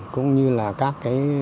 cũng như là các